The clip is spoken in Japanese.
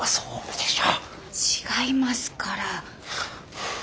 違いますから。